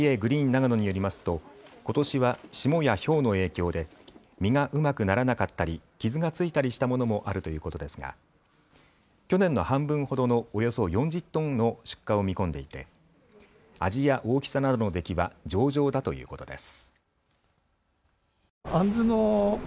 長野によりますとことしは霜やひょうの影響で実がうまくならなかったり傷が付いたりしたものもあるということですが去年の半分ほどのおよそ４０トンの出荷を見込んでいて味や大きさなどの出来は上々だということです。